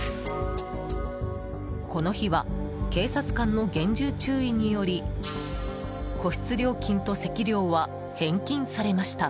この日は警察官の厳重注意により個室料金と席料は返金されました。